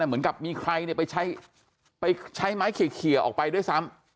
เหมือนกับมีใครไปใช้ไม้เขียออกไปด้วยซ้ำ